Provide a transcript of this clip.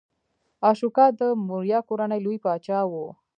اشوکا د موریا کورنۍ لوی پاچا و.